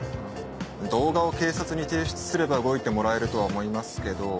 動画を警察に提出すれば動いてもらえるとは思いますけど。